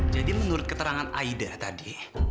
jadi menurut keterangan aida tadi